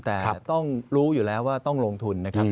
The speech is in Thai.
แต่ต้องรู้อยู่แล้วว่าต้องลงทุนนะครับ